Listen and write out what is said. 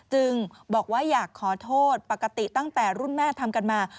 จึงบอกว่าอยากขอโทษปกติตั้งแต่รุ่นแม่ทำกันมา